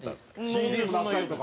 ＣＤにもなったりとか。